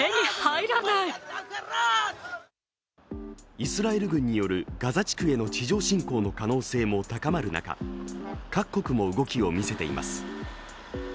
イスラエル軍によるガザ地区への地上侵攻の可能性も高まる中、各国も動きを見せています。